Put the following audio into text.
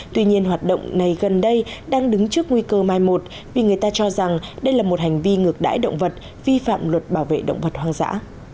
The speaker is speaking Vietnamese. tuy nhiên hoạt động này gần đây đang đứng trước nguy cơ mai một vì người ta cho rằng đây là một hành vi ngược đãi động vật vi phạm luật bảo vệ động vật hoang dã